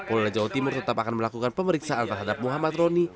polda jawa timur tetap akan melakukan pemeriksaan terhadap muhammad roni